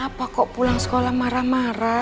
apa kok pulang sekolah marah marah